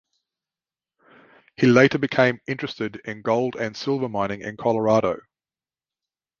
He later became interested in gold and silver mining in Colorado.